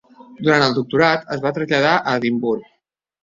Durant el doctorat, es va traslladar a Edimburg.